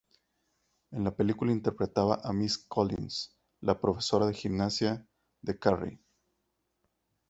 En la película interpretaba a "Miss Collins", la profesora de gimnasia de "Carrie".